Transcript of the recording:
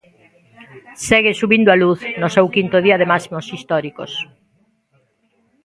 Segue subindo a luz, no seu quinto día de máximos históricos.